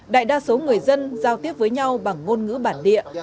đại đa số người dân giao tiếp với nhau bằng ngôn ngữ bản địa